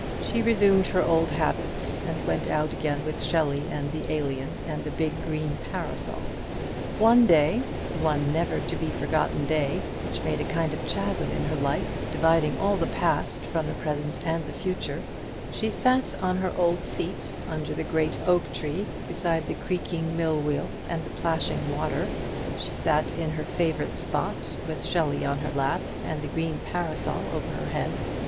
She resumed her old habits, and went out again with Shelley and the "Alien," and the big green parasol. One day one never to be forgotten day, which made a kind of chasm in her life, dividing all the past from the present and the future she sat on her old seat under the great oak tree, beside the creaking mill wheel and the plashing water; she sat in her favourite spot, with Shelley on her lap and the green parasol over her head.